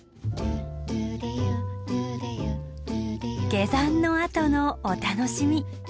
下山のあとのお楽しみ。